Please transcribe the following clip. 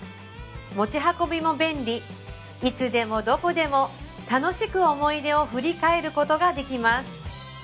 持ち運びも便利いつでもどこでも楽しく思い出を振り返ることができます